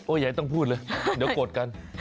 อย่าต้องพูดเลยเดี๋ยวโกรธกัน